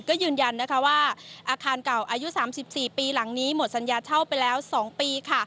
ก็ยืนยันว่าอาคารเก่าอายุ๓๔ปีหลังนี้หมดสัญญาเช่าไปแล้ว๒ปี